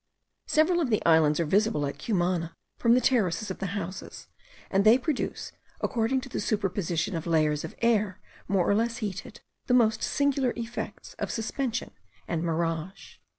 Several of the islands are visible at Cumana, from the terraces of the houses, and they produce, according to the superposition of layers of air more or less heated, the most singular effects of suspension and mirage.